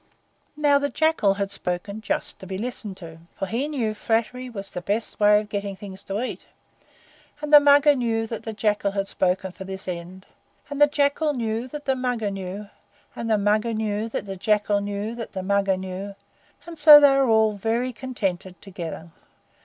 Now the Jackal had spoken just to be listened to, for he knew flattery was the best way of getting things to eat, and the Mugger knew that the Jackal had spoken for this end, and the Jackal knew that the Mugger knew, and the Mugger knew that the Jackal knew that the Mugger knew, and so they were all very contented together.